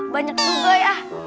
banyak juga ya